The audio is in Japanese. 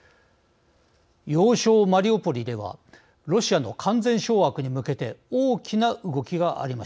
要衝マリウポリではロシアの完全掌握に向けて大きな動きがありました。